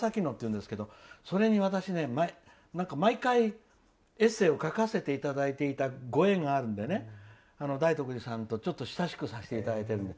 それに私、毎回、エッセーを書かせていただいていたご縁があるので大徳寺さんとちょっと親しくさせていただいている。